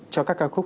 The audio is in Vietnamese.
cho các ca khúc